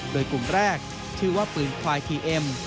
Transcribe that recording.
โดยกลุ่มแรกชื่อว่าปืนควายทีเอ็ม